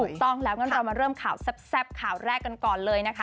ถูกต้องแล้วงั้นเรามาเริ่มข่าวแซ่บข่าวแรกกันก่อนเลยนะคะ